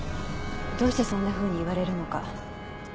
どうしてそんなふうに言われるのか。